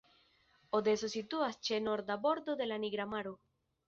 Odeso situas ĉe norda bordo de la Nigra Maro.